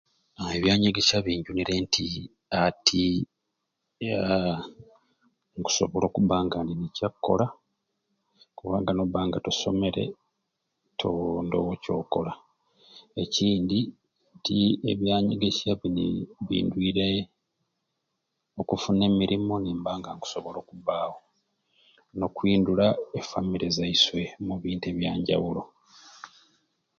Aaa ebyanyegesya binjunire nti ati aaa nkusobola okubanga nina ekya kola kubanga nobanga tosomere to ndowo kyokola, ekindi nti ebyanyegesya bini bindwiire okufuna emirimu nimbanga nsobola okubawo nokwindula efamire zaiswe omu bintu ebyanjawulo.